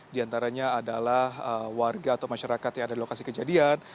di antaranya adalah warga atau masyarakat yang ada di lokasi kejadian